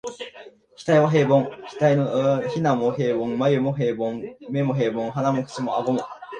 額は平凡、額の皺も平凡、眉も平凡、眼も平凡、鼻も口も顎も、